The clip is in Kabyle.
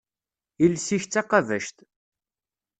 Iles-ik d taqabact.